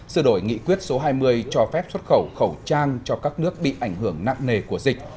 sự đổi nghị quyết số hai mươi cho phép xuất khẩu khẩu trang cho các nước bị ảnh hưởng nặng nề của dịch